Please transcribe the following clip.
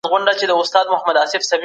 موږ به په اقتصاد کي نوي پانګي کاروو.